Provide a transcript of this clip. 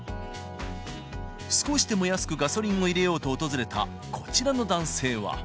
少しでも安くガソリンを入れようと訪れたこちらの男性は。